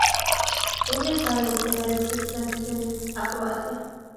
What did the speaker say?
Él está a la espera de su extradición a Croacia.